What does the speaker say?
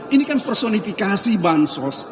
ini kan personifikasi bansos